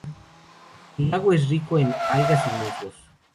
El lago es rico en algas y musgos.